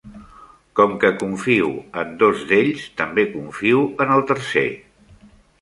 Com que confio en dos d'ells, també confio en el tercer.